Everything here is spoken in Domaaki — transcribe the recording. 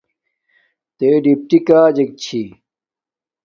تݺ ڈِپٹݵ کݳجݵک چھݵ؟